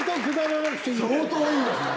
相当いいですね。